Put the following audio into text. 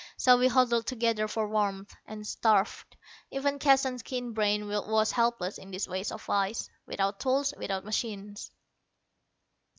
So we huddled together for warmth, and starved. Even Keston's keen brain was helpless in this waste of ice, without tools, without machines.